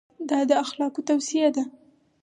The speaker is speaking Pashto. دا د اخلاقو توصیه ده.